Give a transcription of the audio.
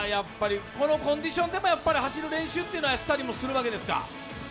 このコンディションでもやっぱり走る練習っていうのはやっぱりするわけですか。